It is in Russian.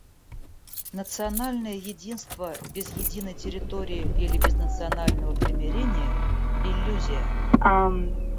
Национальное единство без единой территории или без национального примирения — иллюзия.